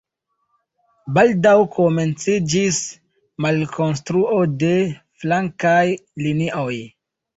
Baldaŭ komenciĝis malkonstruo de flankaj linioj.